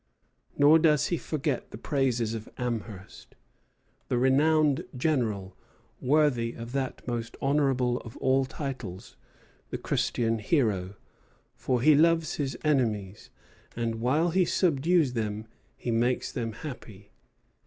Nor does he forget the praises of Amherst, "the renowned general, worthy of that most honorable of all titles, the Christian hero; for he loves his enemies, and while he subdues them he makes them happy.